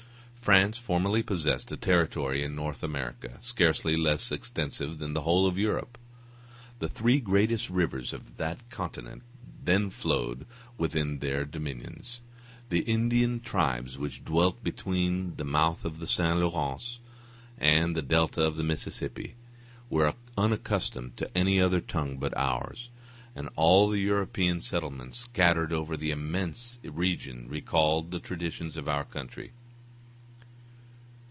France formerly possessed a territory in North America, scarcely less extensive than the whole of Europe. The three greatest rivers of that continent then flowed within her dominions. The Indian tribes which dwelt between the mouth of the St. Lawrence and the delta of the Mississippi were unaccustomed to any other tongue but ours; and all the European settlements scattered over that immense region recalled the traditions of our country.